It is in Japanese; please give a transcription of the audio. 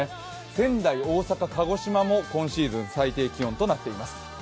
仙台、大阪、鹿児島も今シーズン最低気温となっています。